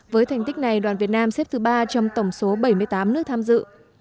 với thành tích này đoàn việt nam xếp thứ ba trong tổng số bảy mươi tám nước tham dự